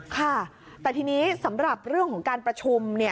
ค่ะแต่ทีนี้สำหรับเรื่องของการประชุม